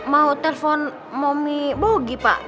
mau telepon momi bogi pak